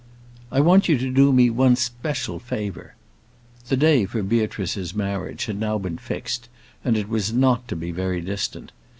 "I want you to do me one especial favour." The day for Beatrice's marriage had now been fixed, and it was not to be very distant.